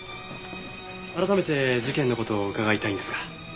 改めて事件の事を伺いたいんですが。